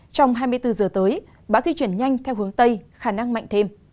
trong hai mươi bốn giờ tới bão di chuyển nhanh theo hướng tây khả năng mạnh thêm